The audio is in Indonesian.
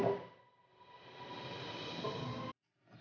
untuk memohon maaf